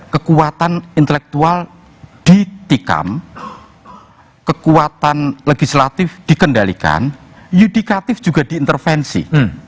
kekuatan intelektual ditikam kekuatan legislatif dikendalikan yudikatif juga diintervensi